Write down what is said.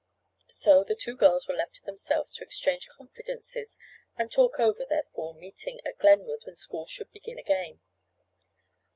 So the two girls were left to themselves to exchange confidences and talk over their fall meeting at Glenwood when school should begin again.